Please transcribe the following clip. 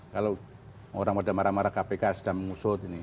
kalau orang orang marah marah kpk sedang mengusut